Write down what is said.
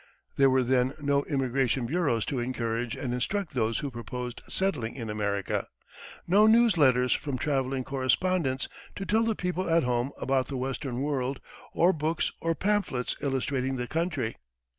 There were then no immigration bureaus to encourage and instruct those who proposed settling in America; no news letters from traveling correspondents, to tell the people at home about the Western world; or books or pamphlets illustrating the country.